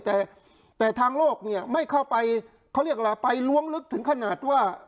แต่แต่ทางโลกเนี่ยไม่เข้าไปเขาเรียกอะไรไปล้วงลึกถึงขนาดว่า